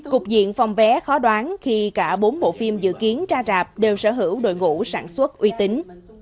cục diện phòng vé khó đoán khi cả bốn bộ phim dự kiến ra rạp đều sở hữu đội ngũ sản xuất uy tín